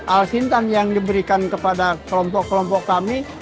alfintan yang diberikan kepada kelompok kelompok kami